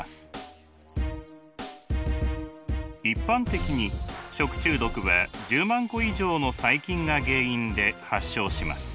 一般的に食中毒は１０万個以上の細菌が原因で発症します。